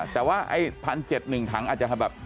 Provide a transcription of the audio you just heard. แต่ว่าไอ้๑๗๐๐ถังอาจจะแบบ